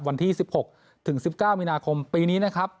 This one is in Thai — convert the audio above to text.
วันที่๑๖ถึง๑๙มีนาคมปีนี้นะครับ